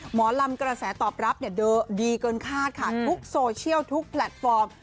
หมอลำกระแสตอบรับดีเกินคาดค่ะทุกโซเชียลทุกแพลตฟอร์ม